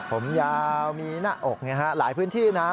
ผมยาวมีหน้าอกหลายพื้นที่นะ